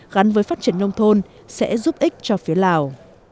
gắn với phát triển nông thôn sẽ giúp ích cho phía lào